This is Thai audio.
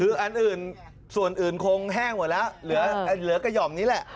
คือส่วนอื่นแห้งหมดแล้วเหลือกระหย่อมนี่แหละ